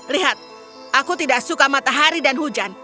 lihat aku tidak suka matahari dan hujan